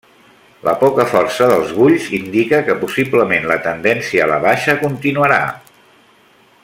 La poca força dels bulls indica que possiblement la tendència a la baixa continuarà.